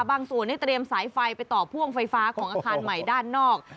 ส่วนได้เตรียมสายไฟไปต่อพ่วงไฟฟ้าของอาคารใหม่ด้านนอก